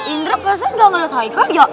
indra pasti gak liat haikal ya